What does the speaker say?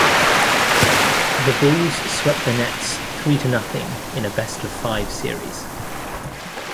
The Bulls swept the Nets three to nothing in a best of five series.